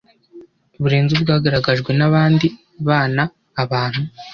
burenze ubwagaragajwe n’abandi bana abantu